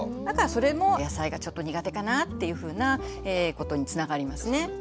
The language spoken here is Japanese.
だからそれも野菜がちょっと苦手かなっていうふうなことにつながりますね。